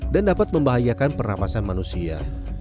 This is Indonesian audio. dan dapat membahayakan pernafasan manusia